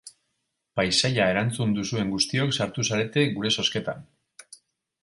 Paisaia erantzun duzuen guztiok sartu zarete gure zozketan.